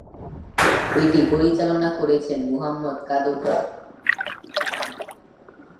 এটি পরিচালনা করেছেন মোহাম্মদ কাদৌরা।